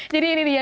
jadi ini dia